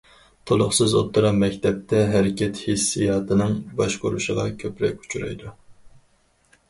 تولۇقسىز ئوتتۇرا مەكتەپتە ھەرىكەت ھېسسىياتىنىڭ باشقۇرۇشىغا كۆپرەك ئۇچرايدۇ.